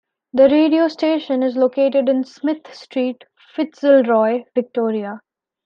The radio station is located in Smith Street, Fitzroy, Victoria.